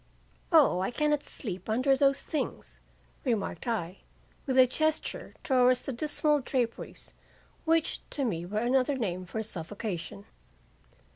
"'O I cannot sleep under those things,' remarked I, with a gesture towards the dismal draperies which to me were another name for suffocation.